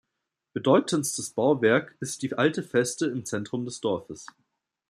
Bedeutendstes Bauwerk ist die alte Feste im Zentrum des Dorfes.